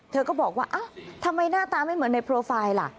เธอก็บอกว่าอ้าวทำไมหน้าตาไม่เหมือนในโปรไฟล์ล่ะ